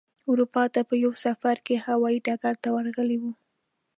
اروپا ته په یوه سفر کې هوايي ډګر ته ورغلی و.